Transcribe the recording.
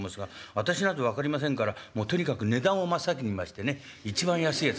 私なんぞ分かりませんからもうとにかく値段を真っ先に見ましてね一番安いやつ。